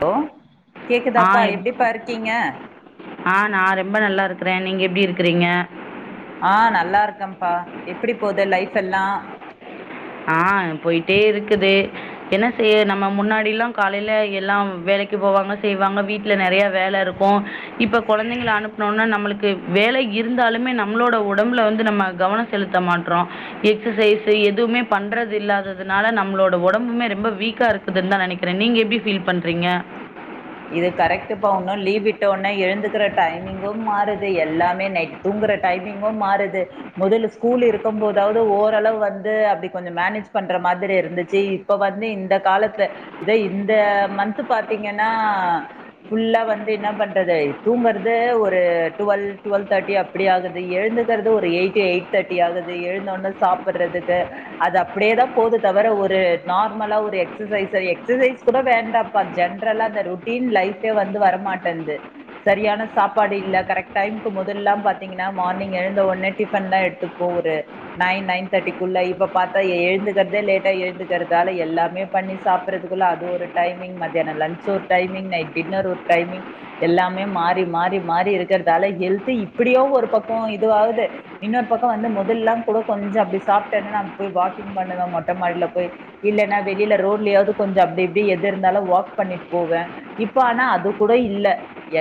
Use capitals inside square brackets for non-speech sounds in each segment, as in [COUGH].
low ஆ கேக்குதாப்பா எப் எப்டிப்பாருக்கீங்க ஆ நா ரொம்ப நல்லாருக்கறே நீங்க எப்டி இருக்குறீங்க ஆ நல்லாருக்கம்ப்பா எப்டி போது லைஃப்ஃபெல்லா ஆ போயிட்டேருக்குதே என்ன செய்ய நம்ம முன்னாடிலா காலைல எல்லாம் வேலைக்கு போவாங்க செய்வாங்க வீட்ல நெறைய வேல் லருக்கோ இப்ப கொழந்தைங்கள அனுப்பணோன்னா நம்மளுக்கு வேலை இருந்தாலுமே நம்மளோட ஒடம்புல வந்து நம் ம கவனோ செலுத்த மாட்றோ எக்ஸசைசு எதுவுமேப் பண்றது இல்லாததுனால நம்ளோட ஒடம்புமே ரொம்ப வீக்கா இருக்குதுன்தா நெனைக்கிற நீங்க எப்டி ஃபீல் பண்ணுறீங்க [INAUDIBLE] இது கரெக்டுபா உன்னு லீவ் விட்ட ஒன்னே எழுந்துக்குற டைமிங்கு மாறுது எல்லாமே நைட் தூங் குற டைமிங்கு மாறுது மெதல்ல ஸ்கூல் இருக்கும் போதாவது ஓரளவு வந்து அப்டி கொஞ்சோ மேனேஜ் பண் என்ற மாதிரி இருந்துச்சு இப்ப வந்து இந்த காலத்ல இத இந்த மன்த்து பாத்தீங்கன் னா ஃபுல்லா வந்து என்ன பண்றது தூங்கர்தே ஒரு டுவெல் டுவெல் தேர்ட்டி அப்டி ஆகுது எழுந் துக்கற்து ஒரு எய்டு எய்ட் தேர்டி ஆகுது எழுந்தவொன்னே சாப்பட்றதுக்கு அது அப்டியேதா போது தவர ஒரு நார்மலா ஒரு எக்சசைஸ் எக்சசைஸ் கூட வேண்டாப்பா ஜென் அப்றோல்லா அந்த ரொட்டின் லைஃப்பே வந்து வர மாட்டந்து சரியான சாப்பாடு இல்ல கரெக்ட் டைம்கு மொதல் அப்பலா பாத்தீங்கன்னா மார்னிங் எழுந்த ஒட்னே டிபன்தா எடுத்துப்போ ஒரு நைன் நைன் தேட்டிகுள்ள இப்ப பாத்தா ஏழ்ந்துகற்தே லேட்டா ஏழ்ந்துகற்தால எல்லாமே பண்ணி சாப்பறதுகுள்ள அது ஒரு டைமிங் மத்தியானோ lunch so timing night dinner ஒரு டைமிங் எல்லாமே மாரி மாரி மாரி இருகற்தால ஹெல்து இப்ப எப்டியோ ஒரு பக்கொ இதுவாகுது இன்னொரு பக்கொ வந்து முதல்லா கூட கொஞ்ச அப்டி சாப்டேன நா போய் வாக்கி பண்ணுவே மொட்ட மாடில போய் இல்லனா வெளில ரோட்லயாவது கொஞ்சோ அப்டி இப்டி எது இருந்தாலு வாக் பண்ணிட் போவே இப்ப ஆனா அது கூட இல்ல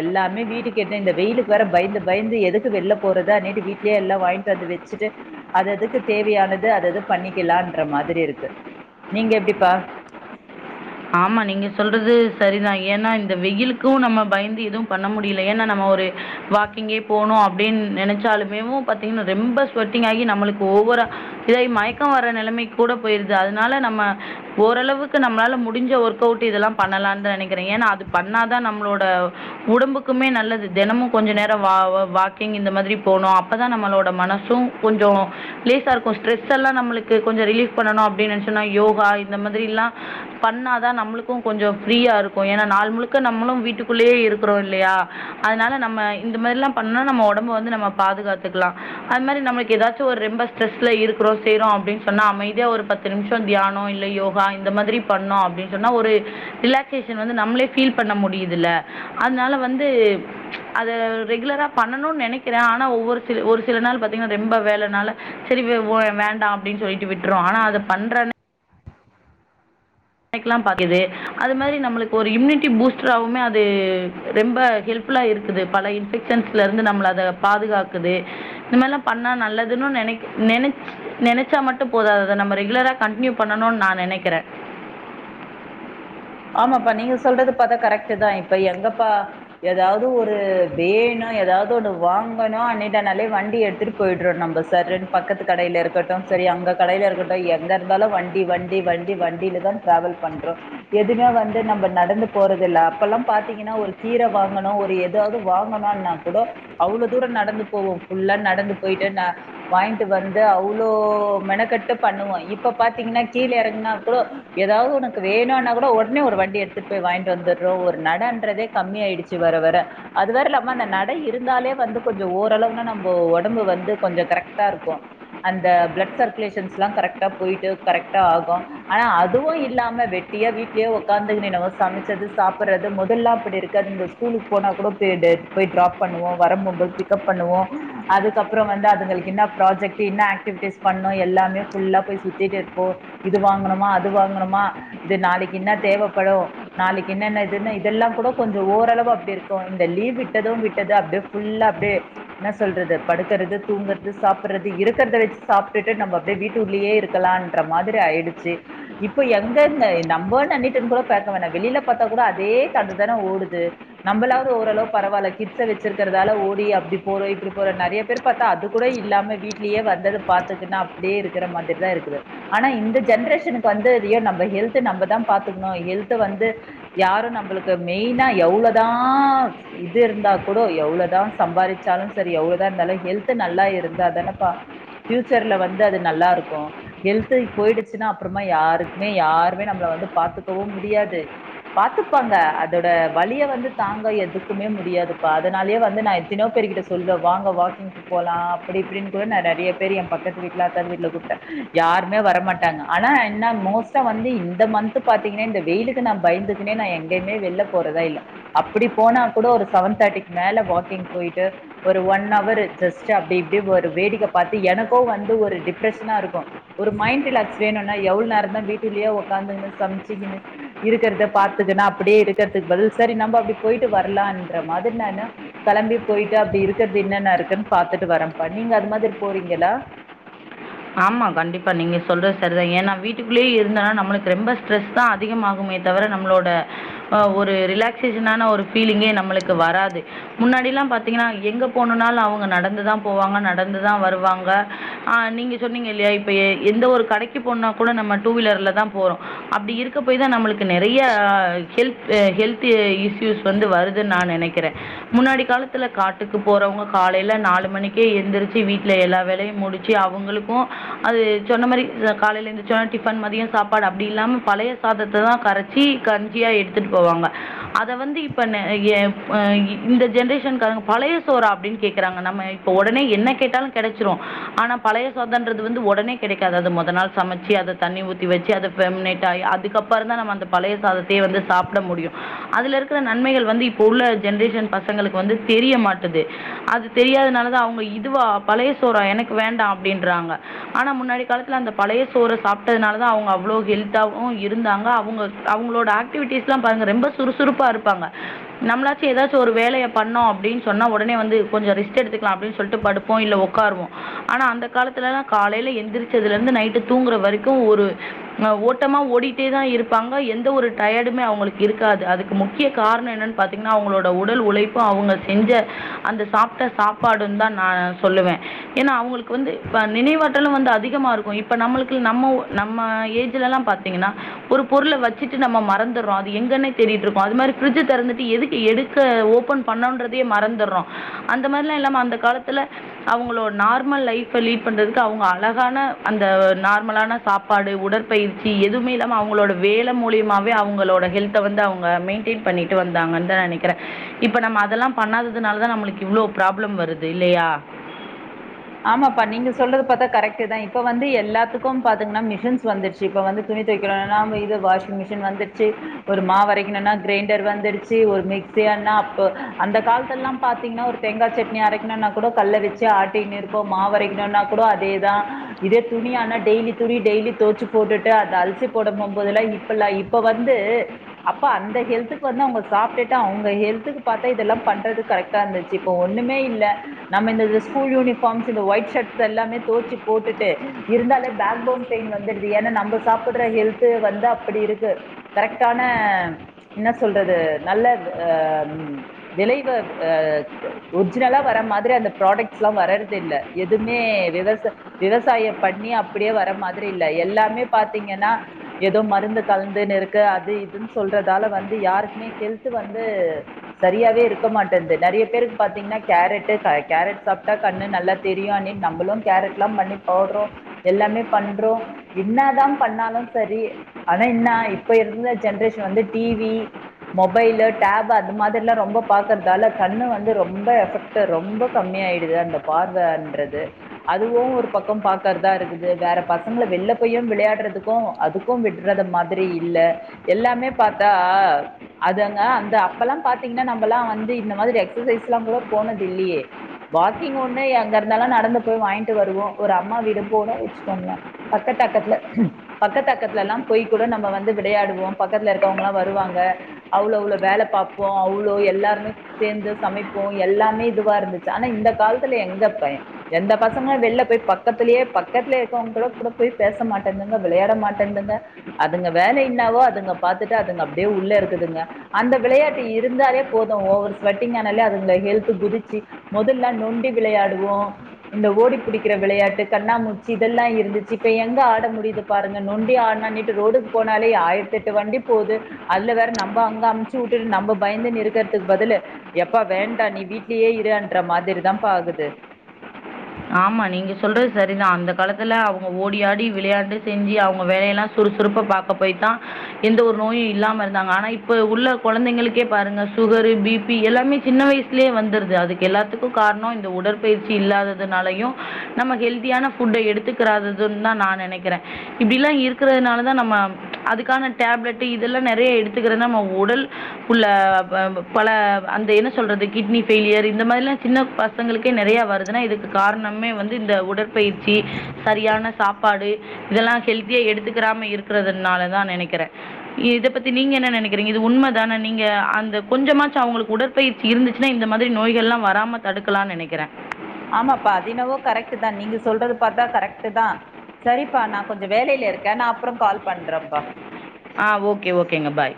எல்லாமே வீட்டுக்கெட்ன இந்த வெயிலுக்கு வேற பய்ந்து பய்ந்து எ எதுக்கு வெள்ல போறது அன்நேர்துக் வீட்லே எல்லா வாங்க்ட் வந்து வெச்சுட்டு அத அதுக்கு தேவையானது அதது பண்ணிக்க விளயான்ற மாதிரி இருக்கு நீங்க எப்டிப்பா ஆமா நீங்க சொல்றது சரிதா ஏன்னா இந்த வெயிலுக்கும் நம்ம பய்ந்து எதுவும் பண்ண முடியல ஏனா நம்ம ஒரு வாக்கிங்கே போணு அப்டின் நெனச்சாலுமேவு பாத்தீங்கன்னா ரொம்ப ஸ்வட்டிங் ஆகி நம்முளுக்கு ஓவ்வொ ர இதாய் மயக்கோ வர்ர நெலமைக்கூட போய்ருது அதுனால நம்ம ஓரளவுக்கு நம்ளால மு முடிஞ்ச ஒர்க் அவ்டு இதெல்லா பண்ணலா நெனைக்குறே ஏன்னா அது பண்ணாதா நம்மளோட உடம்புக்குமே நல்லது தெனமு கொஞ்சோ நேரோ வா வா வாக்கிங் இந்த மாதிரி போனு அப்பதா நம்மளோட மனசும் கொஞ்சோ லே லேசாருக்கு ஸ்ட்ரெஸ்ஸலா நம்முளுக்கு கொஞ்சோ ரிலீஃப் பண்ணணு அப்டின் நெனச்சனா யோகா இந்த மாதிரிலா பண்ணாதா நம்முளுக்கு கொஞ்சோ ஃப்ரீயா இருக்கு எனா நாள் முழுக்க நம்முளு வீட்டுகுள்ளயே இருக்கறோ இல்லயா அத்னால நம்ம இந்த மாரிலா பண்ணா நம்ம ஒடம்பு வந்து நம்ம பாதுகாத்துக்லா அது மாரி நம்ளுக் ஏதாச்சு ஒரு ரொம்ப ஸ்ட்ரெஸ்ல இருக்றோ செய்றோ அப்டின் சொன்னா அமைதியா ஒரு பத்து நிம்ஷோ தியானோ இல்ல யோகா இந்த மாதிரி பண்ணோ அப்டின் சொன்னா ஒரு ரிலாக்சேஷன் வந்து நம்ளே ஃபீல் பண்ண முடியுதுல அத்னால வந்து அத ரெகுலரா பண்ணணுன் நெனக்கிறே ஆனா ஒவ்வொரு சில ஒரு சில நாள் பாத்தீங்கன்னா ரொம்ப வேல நால செர் சி போ வேண்டா அப்டின் சொல்லிட்டு விட்டுரோ ஆனா அத பண்றன் ல்லா பாக்குது அது மாரி நம்ளுக்கு ஒரு இம்யூன்டி பூஸ்ட்ராவுமே அது ரொம்ப ஹெல்ப் ஃபுல்லா இருக்குது பல இன்ஃபெக்சன்ஸ்லருந்து நம்ள அத பாதுகாக்குது இந்த மாரிலா பண்ணா நல்லதுன்னு நெ இனைகி நெனச் நெனச்சா மட்டு போதாது அத நம்ம ரெகுலரா கண்டின்யூ பண்ணணுன் நா நெனைகறே ஆமாப்பா நீங்க சொல்றது பாத்தா கரெக்டுதா இப்ப எங்கப்பா ஏதாவ்து ஒரு வேணா ஏதாவ்து ஒன்னு வாங்கனு அப்டினாலே வண்டி எடுத்துட்டு போய்ட்றோ நம்ம சர்னு பக்கத்து கடையில் இருக்கட்டு செரி அங்க கடைலயா இருக்கட்டு எங்க இருந்தாலு வண்டி வண்டி வண்டி வண்டிலதா டிராவல் பண்றோ எதுமே வந்து நம்ப நடந்து போறதுல்ல அப்பல்லா பாத்தீங்கன்னா ஒரு கீர வாங்கனு ஒரு எதாது வாங்கனு னா கூட அவ்ளோ தூரோ நடந்து போவோ ஃபுல்லா நடந்து போய்ட்டு நா வாங்க்டு வந்து அவ்ளோ ளோ மெனகட்டு பண்ணுவோ இப்ப பாத்தீங்ன்னா கீழ எறங்னா கூட ஏதாவ்து உனக்கு வேணுனாகூ ட உட்னே ஒரு வண்டி எடுத்து போய் வாய்ன்டு வந்தறோ ஒரு நடன்றதே கம்மி ஆய்டுச்சு வர வர அது வேறல்லாம நடை இருந்தாலே வந்து கொஞ்சோ ஓர்ளவுனா நம்போ ஒடம்பு வந்து கொஞ்சோ கரெக்டாருக்கு அந்த ப்ளட் சர்குலேஷன்ஸ்லா கரெக்டா போய்ட்டு கரெக்டா ஆகு ஆனா அதுவு இல்லாம வெட்டியா வீட் வீட்லே உக்காந்துகுனு எனமோ சமச்சது சாப்பற்து முதல்லா அப்டி இருக்காது இந்த ஸ்கூலுக் போனா கூட தெர்யாது போய்ட் ட்ராப் பண்ணுவோ வரம்போம்போத் பிக்கப் பண்ணுவோ அதுக்கப்றோ வந்து அதுங்களுக் என்ன ப்ராஜெக்டு என்னா ஆக்டிவிட்டிஸ் பண்ணும் எல்லாமே ஃபுல்லா போய் சுத்திட்ருப்போ இது வாங்கணுமா அது வாங்கணுமா இது நாளைக் என்ன தேவபடும் நாளைக்கு என்னன்னதுன்னு இதெல்லா கூட கொஞ்சோ ஓரளவு அப்டிருக்கு இந்த லீவ் விட்டதும் விட்டது அப்டியே ஃபுல்லா அப்டியே என்ன சொல்றது படுக்கறது தூங்கற்து சாப்பறது இருக்கறத வெச்சு ச சாப்டுட்டு நம்ப அப்டியே வீட்டு உள்ளயே இருக்கலான்ற மாதிரி ஆய்டுச்சு இப்ப எங்கன்னு நம்பொ பண்ணிட்டே கூட பாக்க வேணா வெளிய பாத்தா கூட அதே தாட்டுதான ஓடுது நம்பளாவ்து ஓரளவு பரவால்ல கிட் ச வெச்சுருக்கற்தால ஓடி அப்டி போறோ இப்டி போற நறைய பேர் பாத்தா அது கூட இல்லாம வீட்லயே வந்தது பாத் இருக்குனா அப்டியே இருக்கற மாதிரிதா இருக்குது ஆனா இந்த ஜென்ரேஷனுக்கு வந்து அது எ நம்ம ஹெல்து நம்பதா பாத்துகுணு ஹெல்த வந்து யாரு நம்புளுக்கு மெய்னா எவ்ளேதா இது இருந்த தா கூட எவ்ளோதா சம்பாரிச்சாலு செரி எவ்ளோதா இருந்தாலு ஹெல்து நல்லா இருந்தாதானப்பா ஃபியூச் சர்ல வந்து அது நல்லாருக்கு ஹெல்து போய்டுச்சுன்னா அப்றோமா யாருக்மே யார்மே நம்பள வந்து பாத்துக்கவு முடியாது பாத்துப்பாங்க அதோட வலிய வந்து தாங்க எதுக்குமே முடியாதுப்பா அதனாலயே வந்து நா எத்தினியோ பே ர் கிட்ட சொல்வ வாங்க வாக்கிங்க்கு போலாம் அப்டி இப்டின் கூட நெறைய பேரு எ பக்கத்து வீட்ல அக்கது வீட்ல கூப்ட்ட யாருமே வர மாட்டாங்க ஆனா என்ன மோஸ்டா வந்து இந்த மந்த் கு பாத்தீங்கனா இந்த வெயிலுக்கு நா பயந்துகுனே நா எங்கைய்மே வெல்ல போறதா இல்ல அப்டி போனா கூட ஒரு செவன்த்து தேட்டிக் மேல வாக்கிங் போய்ட்டு ஒரு ஒன் அவர் ஜஸ்ட் அப்டி இப்டி ஒரு வேடிக்க பாத்து எனக்கு ப்போ வந்து ஒரு டிப்ரஷனா இருக்கு ஒரு மைண்ட் ரிலாக்ஸ் வேணுனா எவுள் நேரதா வீட்டுல்லியே ஒக்காந்துனு சம்ச்சிக்கினு இருக்கிறத பாத்துகுனா அப்டியே இருக்கிறதுக் பதில் சரி நம்ப அப்டி போய்ட்டு வரலான்ற மா அதட்னா என்ன கெளம்பி போயிட்டு அப்டி இருக்கறது என்னன இருக்குன் பாத்துட்டு வரேப்பா நீங்க அது மாதிர் போறீங்களா ஆமா கண்டிப்பா நீங்க சொல்றத் சரிதா ஏனா வீட்டுக் குள்ளேயே இருந்தனா நம்மளுக்கு ரெம்ப ஸ்ட்ரெஸ் தா அதிகமாகு மே தவிர நம்மளோட அ ஒரு ரிலாக்சேஷனான ஒரு ஃபீலிங்கே நம்மளுக்கு வராது முன்னாடி எல்லா பாத்தீங்கனா எங்க போனனாலு அவுங்க நடந்துதா போவாங்க நடந்துதா வருவாங்க ஆ நீங்க சொன்னீங்க இல்லையா இப்ப எ எந்த ஒரு கடைக்கு போனா கூட நம்ம டூ வீலர்ல தா போறோ அப்டி இருக்க போய் தா நம்மளுக்கு நெறைய ஹெல்த் ஹெல்தே இஸ்யூஸ் வந்து வருதுன் நா நெனைக்கிறே முன்னாடி கா ஒரு சிலர் காட்டுக்கு போறவுங்க காலையில நாலு மணிக்கே எந்திரிச்சி வீட்ல எல்லா வேலையு முடிச்சி அவுங்களுக் போ அது சொன்ன மாரி அ காலையில எந்திரிச்ச ஒனே டிபன் மதிய சாப்பாடு அப்டி இல்லாம பழைய சாதத்த தா அரச்சி கஞ்சியா எடுத்துட் போவாங்க அத வந்து இப்ப ந எ இந்த ஜென்ரேஷன் க்ன்காரங்க பழைய சோறா அப்டின் கேக்கறாங்க நம்ம இப்ப ஒடனே என்ன கேட்டாலு கெடச்சிரு ஆனா பழைய சாதன்றது வந்து ஒடனே கெடைக்காது ஆத மொத நாள் சமச்சி அத தண்ணி ஊத்தி வெச்சி அத பெமினேட் ஆயி அதுக்கப்பற தா நம்ம அந்த பழைய சாதத்தையே வந்து சாப்ட முடியு அதுல இருக்கற நன்மைகள் வந்து இப்ப உள்ள ஜென்ரேஷன் பசங்களுக் வந்து தெரிய மாட்டது அது தெரியாதனால தா அவுங்க இதுவா பழைய சோறா எனக்கு வேண்டா அப்டின்றாங்க ஆனா முன்னாடி காலத்தில அந்த பழைய சோறு சாப்ட்டதுனால தா அவுங்க அவ்ளோ ஹெல்தாவு இருந்தாங் அவுங்க அவுங்களோட ஆக்டிவிட்டிஸ் எல்லா பாருங்க ரொம்ப சுறுசுறுப்பா இருப்பாங்க நம்மளாச்சு எதாச்சி ஒரு வேலை எ பண்ணோ அப்டின் சொன்னா ஒடனே வந்து கொஞ்ச ரெஸ்ட் எடுத்துக்லா அப்டின் சொல்லிட்டு படுப்போ இல்ல ஒக்காருவோ ஆனா அந்த காலத்துல எல்லா காலையில எந்திரிச்சதுலந்து நைட்டு தூங்குற வரைக்கு ஒரு ஓட்டமா ஓடிட்டே தா இருப்பாங்க எந்த ஒரு டயடுமே அவுங்களுக்கு இருக்காது அதுக்கு முக்கிய காரண என்னன் பாத்தீங்னா அவுங்களோட உடல் உழை ப்பு அவுங்க செஞ்ச அந்த சாப்பிட்ட சாப்பாடுன் தா நா சொல்லுவே ஏனா அவுங்களுக் இப்ப வந்து ப நினைவாற்றலு வந்து அதிகமா இருக்கு இப்ப நம்முளுக்கு நம்ம நம்ம ஏஜ்ல எல்லா பாத்தீங்கனா ஒரு பொருள வச்சிட்டு நம்ம மறந்துடுறோ அது எங்கனே தேடிட்டு இருப்போ அது மாரி ஃபிரிட்ஜி தெறந்துட்டு எதுக்கு எடுக்க ஓபன் பண்ணன்றதே மறந்துறோ அந்த மாரி இல்லாம அந்த காலத்தில அவுங்களோ நார்மல் லைப் லீட் பண்றதுக்கு அவுங்க அழகான அந்த நார்மலான சாப்பாடு உடற்பயிற்சி எதுவுமே இல்லாம அவுங் அவுங்களோட வேல மூலியமவே அவுங்களோட ஹெல்த வந்து அவுங்க மெயின்டேன் பண்ணிட்டு வந்தாங்கன் தா நெனைக்கிறே இப்ப நம்ம அதெல்லா பண்ணாததுனால தா நம்முளுக்கு இவ்ளோ ப்ராப்ளம் வருது இல்லையா ஆமாப்பா நீங்க சொல்றது பாத்தா கரெக்ட் தா இப்ப வந்து எல்லாத்துக்கு பாத்தங்னா மிஷின்ஸ் வந்துருச்சி இப்ப வந்து து ணி தொவைக்கலா நாம இது வாஷிங் மிஷின் வந்துடுச்சி ஒரு மாவு அரைக்கனுனா கிரைண்டர் வந்துடுச்சி ஒரு மிக் சி ஆனா அப்போ அந்த காலத்தெல்லா பாத்தீங்னா ஒரு தேங்கா சட்னி அரைக்கனுனா கூட கல்ல வச்சி ஆட்டிகினு இரு போ மா வரைக்குனுனா கூட அதேதா இதே துணி ஆனா டெய்லி துணி டெய்லி தொவோச்சி போட்டுட்டு அத அல் ஊசி போட போது எல்லா இப்பல்ல இப்ப வந்து அப்ப அந்த ஹெல்த்துக்கு வந்து அவுங்க சாப்ட்டுட்டு அவுங்க ஹெல்துக்கு பத்தா இதெல்லா பண்றது கரெக்டா இருந்துச்சி இப்ப ஒண்ணுமே இல்ல நம்ம இந்தது ஸ்கூல் யூனி பாஃம்ஸ் இந்த ஒயிட் ஷெட் எல்லாமே துவச்சி போட்டுட்டு இருந்தாலே பேக் போன் பெயின் வந்துருது ஏனா நம்ப சாப் புட்ற ஹெல்து வந்து அப்டி இருக்கு கரெக்டான என்ன சொல்றது நல்ல அ விளைவு அ ஒரிஜினலா வர மாதிரி அந்த ப்ராடக்ஸ்லா வர இல்ல எதுவுமே விவச விவசாயம் பண்ணி அப்படியே வர மாதிரி இல்ல எல்லாமே பாத்தீங்ககனா ஏனா ஏதோ மருந்து கலந்துனுருக்க அது இதுன் சொல்றதால வந்து யாருக்குமே ஹெல்த் வந்து கு சரியாவே இருக்க மாட்டன்து நெறைய பேருக்கு பாத்தீங்னா கேரட்டு கேரட் சாப்ட்டா கண் ஆனா நல்லா தெரியாணி நம்பளு கேரட்லா பண்ணி போட்றோ எல்லாமே பண்றோ என்ன தா ன பண்ணாலு சரி ஆனா என்னா இப்ப இருந்த ஜென்ரேஷன் வந்து டிவி மொபைல் டேப் அந்த மாதிரிலா ரொம்ப பாக்கறதால கண்ணு வந்து ரொம்ப எஃபெக்ட் ரொம்ப கம்மி ம்மி ஆயிடுது அந்த பார்வேன்றது அதுவு ஒரு பக்கோ பாக்கறதா இருக்குது வேற பசங்கள வெள்ல போய்யு விளையாட் றதுக்கு அதுக்கு விட்றத மாத்ரி இல்ல எல்லாமே பாத்தா அதுங்க ந்து அப்பெல்லா பாத்தீங்ன்னா நம்மல்லா வந்து இந்த மாரி ஒரு எக்சசைஸ்ல்லா கூட போனது இல்லையே வா க்கிங் ஒன்னே அங்கருந்தெல்லா நடந்து போய் வாய்ன்ட்டு வருவோ ஒரு அம்மா வீடு போறோ வெச்சுக்கோங்ளே பக்க தக்கத்துல பக்கத் அக்கத்துல எல்லா போய் கூட நம்ம வந்து வெளையாடுவோ பக்கத்துல இருக்கவங்கல்லா வருவாங்க அவ்ளோ வேல பாப்போ அவ்ளோ எல்லாருமே சேந்து சமைப்போ எல்லாமே இதுவா இருந்துச்சி ஆனா இந்த ந்த காலத்தில எங்க பய் எந்த பசங்களாத் வெள்ல போய் பக்கத்திலயே பக்கத்திலயே இருக்கவங்க கூட கூட போய் பேச மாட் டேங்துங்க விளையாட மாட்டேங்துங்க அதுங்க வேலை இன்னாவோ அதுங்க பாத்துட்டு அதுங்க அப்டியே உள்ளே இருக்குதுங்க அந்த விளையாட்டு இருந்தாலே போது ஓவர் ஸ்வெட்டிங் ஆனாலே அதுங்க ஹெல்த் குதிச்சு மொதல் லா நொண்டி விளையாடுவோ இந்த ஓடி பிடிக்கிற விளையாட்டு கண்ணாமூச்சி இதெல்லா இருந்துச்சி இப்ப எங்க ஆட முடிய்து பாருங்க நொண்டி ஆட்னனேட்டு ரோடுக் போனாலே ஆயிரத்தெட்டு வண்டி போது அதுல வேற நம்ப அங்க அமுச்சு உட்டுட்டு நம்ம பயந்துன்னிருக்கறதுக் பதிலு எப்பா வேண்டா நீ வீட்லயே இரு அன்ற மா த்ரிதா பா ஆகுது ஆமா நீங்க சொல்றது செரிதா அந்த காலத்துல அவங்க ஓடியாடி விளையாண்டு செஞ்சு அவ்ங்க வேலையெல்லா சுறு சுறுப்பா பாக்க போய் தா எந்த ஒரு நோயு இல்லாம இருந்தாங்க ஆனா இப்ப உள்ள கொழந்தைங்களுக்கே பாருங்க சு சுகர் பி பி எல்லாமே சின்ன வய்ஸ்லியே வந்துருது அதுக்கு எல்லாத்துக்கு கார்ணோ இந்த உடற்பயிற்சி இல்லாத னாலயு நமக்கு ஹெல்தியான ஃபுட்ட எடுத்துக்கிறாதுது தா நா நெனைக்கிறே இப்டில்லா இருக்கற இதுனால தா நம்ம அதுக்கான டேப்லெட் இதெல்லா நெறையா எடுத்துக்கிறனா நம்ம உடல் உள்ள பல அந்த என்ன சொல்றது கிட்னி பெயிலியர் இந்த மாரில்லா சின்ன பசங்களுக்கே நெறயா வருதுன்னா இதுக் காரணமே வந்து இந்த உடற்பயிற்சி சரியான சாப்பாடு இதெல்லா ஹெல்தியா எடுத்துக்கிற டாம இருக்கிறதுனால தா நெனைக்கிறே இத பத்தி நீங்க என்ன நெனைக்கிறீங்க இது உண்மதான நீங்க அந்த கொஞ்சமாச்சு அவங்களுக்கு உடற்பயிற்சி இருந்துச்சுன்னா இந்த மாத்ரி நோய்கல்லா வராம தடுக்கலான் நெனைக்கிறே ஆமாப்பா அது என்னவோ கரெக்ட்டு தா நீங்க சொல்றது பாத்தா கரெக்ட்டு தா சரிப்பா நா கொஞ்சோ வேலைல இருக்கே நா அப்றோ கால் பண்றப்பா ஆ ஓகே ஓகேங்க பாய்